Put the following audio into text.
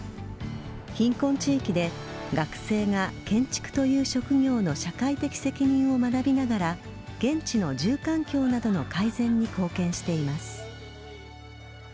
貧困地域で学生が建築という職業の社会的責任を学びながら現地の住環境などの改善に貢献しています。